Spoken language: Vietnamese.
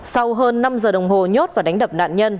sau hơn năm giờ đồng hồ nhốt và đánh đập nạn nhân